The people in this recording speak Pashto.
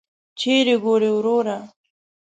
چیري ګورې وروره !